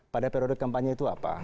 pada periode kampanye itu apa